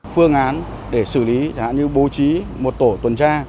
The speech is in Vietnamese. phương án để xử lý hạn như bố trí một tổ tuần tra